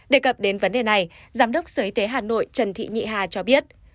đề cập đến vấn đề này giám đốc sở y tế hà nội trần thị nhị hà cho biết